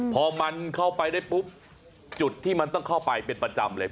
พอมันเข้าไปได้ปุ๊บจุดที่มันต้องเข้าไปเป็นประจำเลย